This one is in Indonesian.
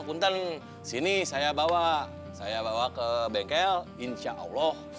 punten sini saya bawa saya bawa ke bengkel insyaallah